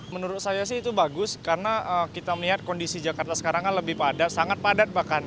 menurut saya sih itu bagus karena kita melihat kondisi jakarta sekarang kan lebih padat sangat padat bahkan